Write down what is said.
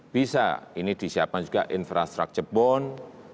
bisa ini disiapkan juga infrastructure bond